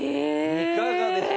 いかがですか？